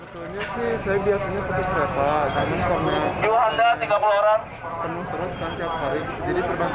kenapa masalah kenapa alasannya mbak